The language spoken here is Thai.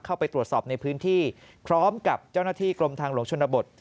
เข้าไปตรวจสอบในพื้นที่พร้อมกับเจ้าหน้าที่กรมทางหลวงชนบท